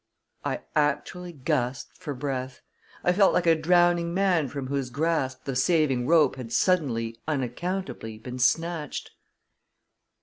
I actually gasped for breath I felt like a drowning man from whose grasp the saving rope had suddenly, unaccountably, been snatched.